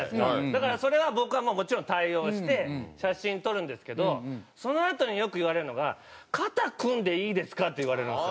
だからそれは僕はもちろん対応して写真撮るんですけどそのあとによく言われるのが「肩組んでいいですか？」って言われるんですよ。